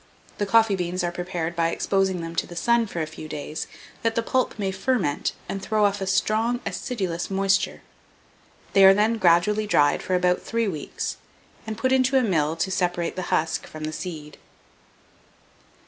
The coffee beans are prepared by exposing them to the sun for a few days, that the pulp may ferment and throw off a strong acidulous moisture. They are then gradually dried for about three weeks, and put into a mill to separate the husk from the seed.